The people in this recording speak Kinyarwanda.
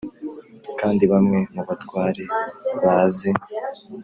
Kandi bamwe mu batware baze